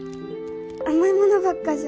甘い物ばっかじゃ